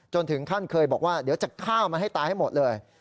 ถึงขั้นเคยบอกว่าเดี๋ยวจะฆ่ามันให้ตายให้หมดเลย